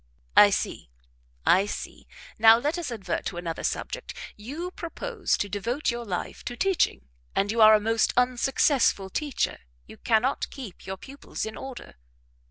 "I see, I see now let us advert to another subject; you propose to devote your life to teaching, and you are a most unsuccessful teacher; you cannot keep your pupils in order."